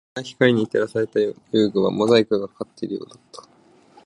曖昧な光に照らされた遊具はモザイクがかかっているようだった